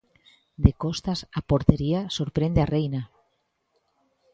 De costas á portería sorprende a Reina.